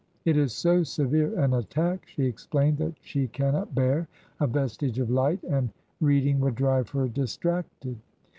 'It is so severe an attack,' she explained, 'that she cannot bear a vestige of light, and reading would drive her distracted.